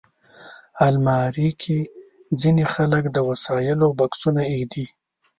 الماري کې ځینې خلک د وسایلو بکسونه ایږدي